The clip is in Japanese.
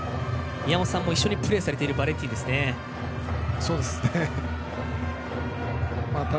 宮本さんも一緒にプレーされているバレンティンですね。